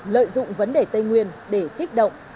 lợi dụng vấn đề tây nguyên để kích động